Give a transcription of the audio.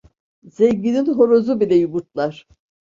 Zenginin horozu bile yumurtlar.